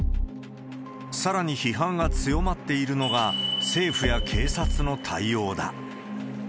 さらに批判が強まっているのが、政府や警察の対応だ。